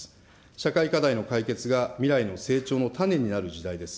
社会課題の解決が未来の成長の種になる時代です。